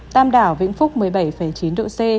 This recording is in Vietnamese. tam đảo vĩnh phúc một mươi bảy chín độ c